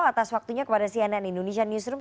atas waktunya kepada cnn indonesia newsroom